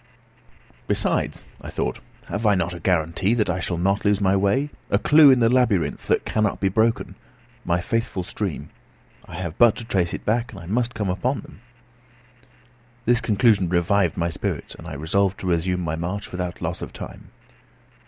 Besides, I thought, have not I a guarantee that I shall not lose my way, a clue in the labyrinth, that cannot be broken, my faithful stream? I have but to trace it back, and I must come upon them. This conclusion revived my spirits, and I resolved to resume my march without loss of time.